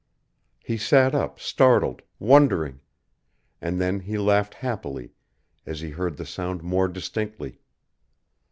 He sat up, startled, wondering, and then he laughed happily as he heard the sound more distinctly.